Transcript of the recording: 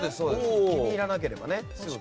気に入らなければね。